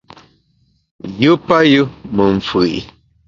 Yù payù me mfù’i.